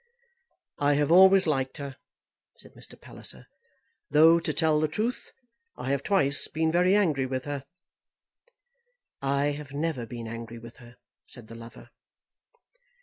"I have always liked her," said Mr. Palliser, "though, to tell the truth, I have twice been very angry with her." "I have never been angry with her," said the lover.